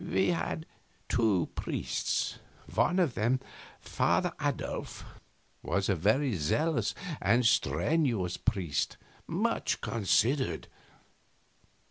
We had two priests. One of them, Father Adolf, was a very zealous and strenuous priest, much considered.